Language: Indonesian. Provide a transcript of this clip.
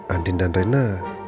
andin dan rena